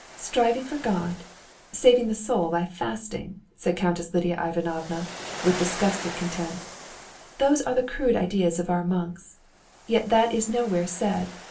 "Striving for God, saving the soul by fasting," said Countess Lidia Ivanovna, with disgusted contempt, "those are the crude ideas of our monks.... Yet that is nowhere said.